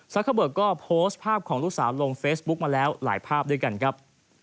เคอร์เบิกก็โพสต์ภาพของลูกสาวลงเฟซบุ๊กมาแล้วหลายภาพด้วยกันครับ